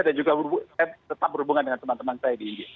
dan juga tetap berhubungan dengan teman teman saya di india